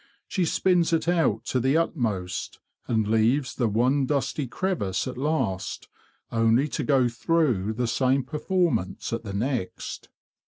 She spins it out to the utmost, and leaves the one dusty crevice at last only to go through the same performance at the next.